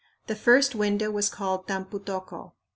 The first window was called Tampu tocco."